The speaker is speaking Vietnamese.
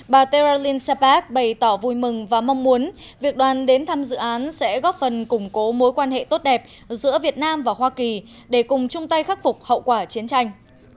bà tara lyn sapak bày tỏ vui mừng và mong muốn việc đoàn đến thăm dự án sẽ góp phần củng cố mối quan hệ tốt đẹp giữa việt nam và hoa kỳ để cùng chung tay khắc phục hậu quả chiến tranh